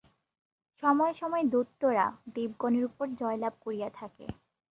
সময়ে সময়ে দৈত্যেরা দেবগণের উপর জয়লাভ করিয়া থাকে।